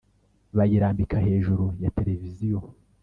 bayirambika hejuru ya television.